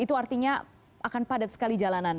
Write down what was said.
itu artinya akan padat sekali jalanan